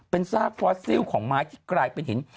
เป็นซากฟอสซิลของไม้ที่กลายเป็นหิน